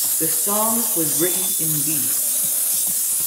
The song was written in B.